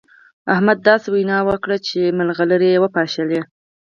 احمد داسې وينا وکړه چې مرغلرې يې وپاشلې.